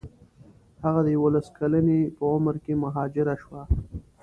هغه د یوولس کلنۍ په عمر کې مهاجره شوه.